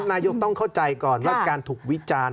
นายกต้องเข้าใจก่อนว่าการถูกวิจารณ์